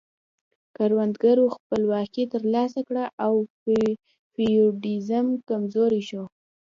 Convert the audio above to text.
کروندګرو خپلواکي ترلاسه کړه او فیوډالیزم کمزوری شو.